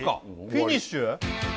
フィニッシュ？